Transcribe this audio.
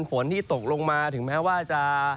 ฝนที่ตกลงมาถึงแม้ว่าจะ